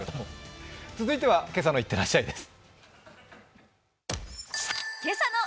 続いては「今朝のいってらっしゃい」です。